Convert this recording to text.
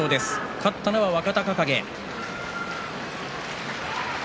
勝ったのは若隆景。